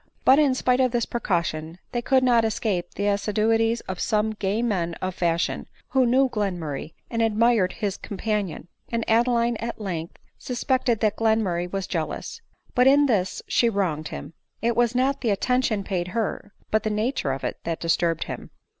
But, in spite of this precaution, they could not escape the assiduities of some gay men of fashion^ who knew Glenmurray and admired his companion ; and Adeline at length suspected that Glenmurray was jealous. But in this she wronged him ; it was not the attention paid her, but the nature of it, that disturbed him.